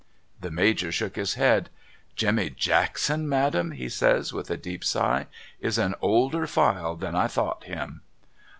The Major shook his head. ' Jemmy Jackman Madam,' he says with a deep sigh, ' is an older file than I thought him.'